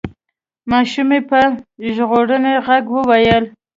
ماشومې په ژړغوني غږ وویل: